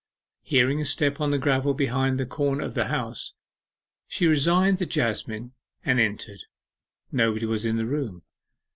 Hearing a step on the gravel behind the corner of the house, she resigned the jasmine and entered. Nobody was in the room.